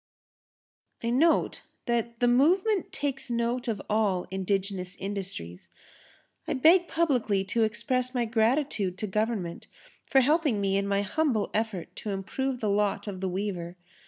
I note that the movement takes note of all indigenous industries. I beg publicly to express my gratitude to Government for helping me in my humble effort to improve the lot of the weaver.